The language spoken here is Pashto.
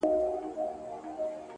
ښه فکرونه ښه عادتونه جوړوي!